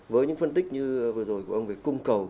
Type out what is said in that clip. với những phân tích như vừa rồi của ông về cung cầu